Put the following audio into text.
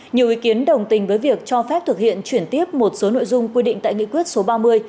nhiều ý kiến đồng tình với việc cho phép thực hiện chuyển tiếp một số nội dung quy định tại nghị quyết số ba mươi